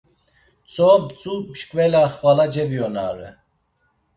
Tzo mtzu mşǩvela xvala ceviyonare.